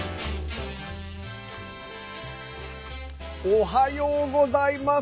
おはようございます。